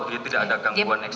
dia tidak ada gangguan ekstri